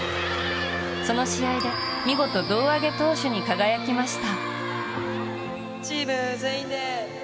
その試合で見事、胴上げ投手に輝きました。